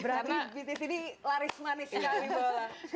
berarti bisnis ini laris manis sekali mba ola